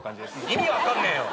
意味分かんねえよ！